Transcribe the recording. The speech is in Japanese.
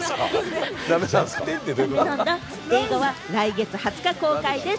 映画は来月２０日公開です。